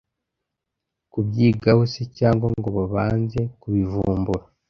kubyigaho se cyangwa ngo babanze kubivumbura